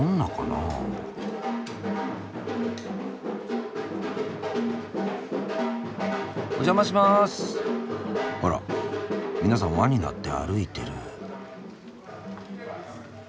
あら皆さん輪になって歩いてる。